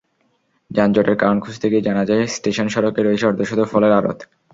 যানজটের কারণ খুঁজতে গিয়ে জানা যায়, স্টেশন সড়কে রয়েছে অর্ধশত ফলের আড়ত।